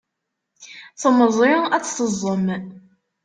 Temẓi ad tt-teẓẓem.